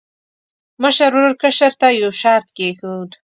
مشر ورور کشر ته یو شرط کېښود.